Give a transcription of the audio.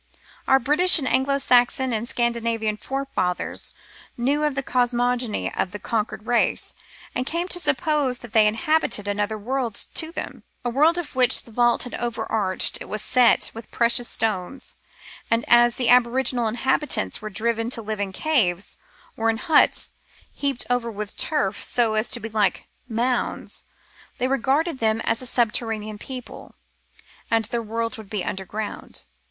Our British and Anglo Saxon and Scandi navian forefathers knew of the cosmogony of the conquered race, and came to suppose that they inhabited another world to them, a world of which the vault that overarched it was set with precious stones ; and as the aboriginal inhabitants were driven to live in caves, or in huts heaped over with turf so as to be like mounds, they regarded them as a sub terranean people, and their world to be underground.